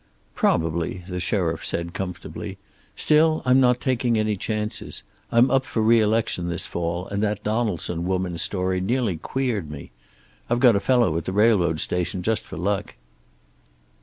"Probably," the sheriff said, comfortably. "Still I'm not taking any chances. I'm up for reelection this fall, and that Donaldson woman's story nearly queered me. I've got a fellow at the railroad station, just for luck."